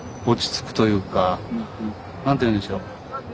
何て言うんでしょう。